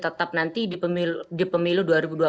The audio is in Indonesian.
tetap nanti di pemilih